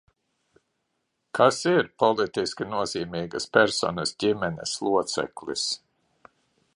Kas ir politiski nozīmīgas personas ģimenes loceklis?